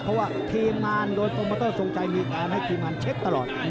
เพราะว่าครีมานโดจพรมปรอตเตอร์ทรงไจมีการให้ครีมานเช็คตลอด